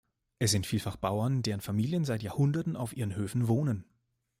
Es sind vielfach Bauern, deren Familien seit Jahrhunderten auf ihren Höfen wohnen.